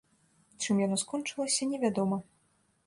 Чым яно скончылася, невядома.